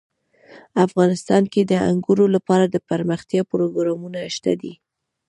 افغانستان کې د انګورو لپاره دپرمختیا پروګرامونه شته دي.